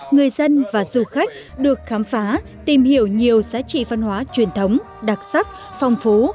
người dân và du khách được khám phá tìm hiểu nhiều giá trị văn hóa truyền thống đặc sắc phong phú